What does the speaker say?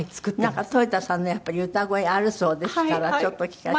なんかとよたさんの歌声あるそうですからちょっと聴かせて。